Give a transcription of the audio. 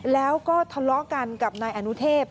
แล้วก็ทะเลาะกันกับนายอนุเทพ